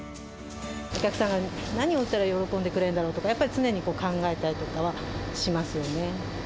お客さんが何を売ったら喜んでくれるんだろうとか、やっぱり常に考えたりとかはしますよね。